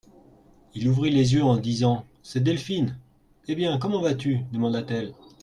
Il ouvrit les yeux en disant :, C'est Delphine ! Eh ! bien, comment vas-tu ? demanda-t-elle.